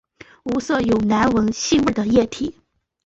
无色有难闻腥味的液体。